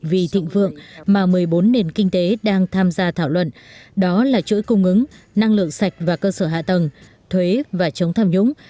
vì thịnh vượng mà một mươi bốn nền kinh tế đang tham gia thảo luận đó là chuỗi cung ứng năng lượng sạch và cơ sở hạ tầng thuế và chống tham nhũng